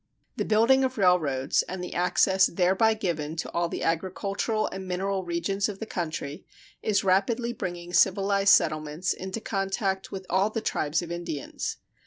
The building of railroads, and the access thereby given to all the agricultural and mineral regions of the country, is rapidly bringing civilized settlements into contact with all the tribes of Indians.